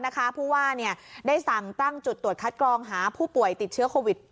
เพราะว่าได้สั่งตั้งจุดตรวจคัดกรองหาผู้ป่วยติดเชื้อโควิด